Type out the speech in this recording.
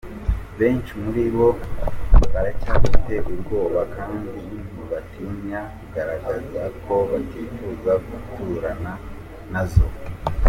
Benshi muri bo baracyafite ubwoba kandi ntibatinya kugaragaza ko batifuza guturana nazo.